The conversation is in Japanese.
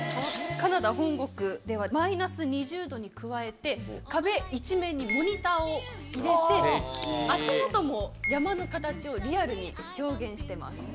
カナダ本国では、マイナス２０度に加えて、壁一面にモニターを入れて、足元も山の形をリアルに表現してます。